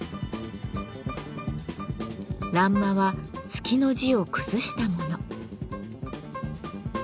欄間は月の字を崩したもの。